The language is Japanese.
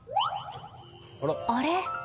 あれ？